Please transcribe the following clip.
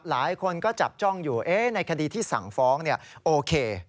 หลายคนก็จับจ้องอยู่ในคดีที่สั่งฟ้องโอเค